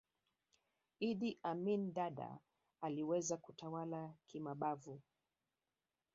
idd amin dada aliweza kutawala kimabavu